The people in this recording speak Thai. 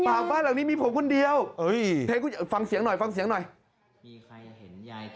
ฟังบ้านหลังนี้มีผมคนเดียวฟังเสียงหน่อยฟังเสียงหน่อย